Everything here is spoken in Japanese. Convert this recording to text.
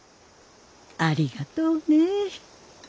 ありがとうねえ。